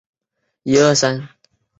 到时候要怎么出站就不知道